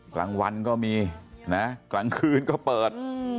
กลางวันก็มีนะกลางคืนก็เปิด